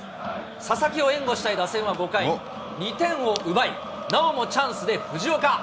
佐々木を援護したい打線は５回、２点を奪い、なおもチャンスで藤岡。